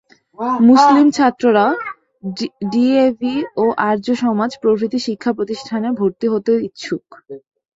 মুসলিম ছাত্ররাও ডিএভি ও আর্য সমাজ প্রভৃতি শিক্ষাপ্রতিষ্ঠানে ভর্তি হতে ইচ্ছুক।